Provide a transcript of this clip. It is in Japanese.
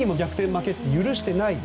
負けって許していない。